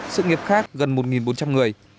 sự nghiệp khác gần một bốn trăm linh người